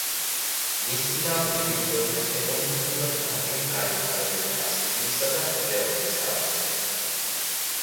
მის წინააღმდეგ იბრძოდნენ ეკონომიკურად ნაკლებ განვითარებული კასტილიისა და ლეონის ქალაქები.